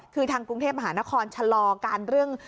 คือทางกรุงเทพมหานครชะลอการเรื่อง